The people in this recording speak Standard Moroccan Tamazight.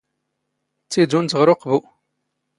ⵜⵜⵉⴷⵓⵏⵜ ⵖⵔ ⵓⵇⴱⵓ.